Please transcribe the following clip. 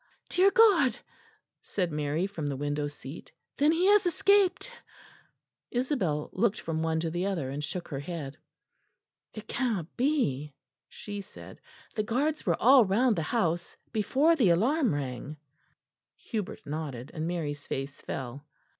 dear God!" said Mary from the window seat, "then he has escaped." Isabel looked from one to the other and shook her head. "It cannot be," she said. "The guards were all round the house before the alarm rang." Hubert nodded, and Mary's face fell.